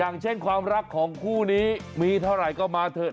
อย่างเช่นความรักของคู่นี้มีเท่าไหร่ก็มาเถอะ